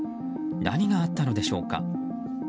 何があったのでしょうか。